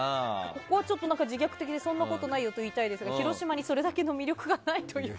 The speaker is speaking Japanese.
ここは自虐的でそんなことないよと言いたいですが広島にそれだけの魅力がないという。